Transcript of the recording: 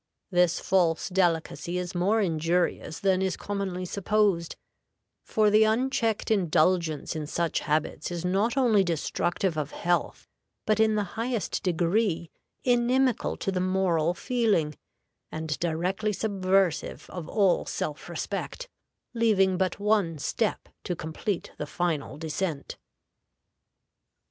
This false delicacy is more injurious than is commonly supposed; for the unchecked indulgence in such habits is not only destructive of health, but in the highest degree inimical to the moral feeling, and directly subversive of all self respect, leaving but one step to complete the final descent.